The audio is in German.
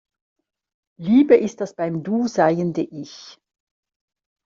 Liebe ist das beim Du seiende Ich.